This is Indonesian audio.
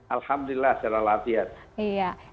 alhamdulillah secara latihan